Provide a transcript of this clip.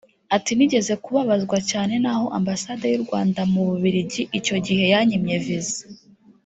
Ati "Nigeze kubabazwa cyane n’aho Ambasade y’u rwanda mu Bubiligi icyo gihe yanyimye Visa